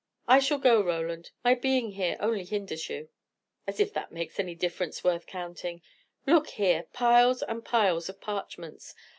"I shall go, Roland. My being here only hinders you." "As if that made any difference worth counting! Look here! piles and piles of parchments!